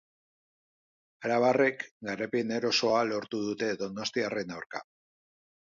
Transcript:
Arabarrek garaipen erosoa lortu dute donostiarren aurka.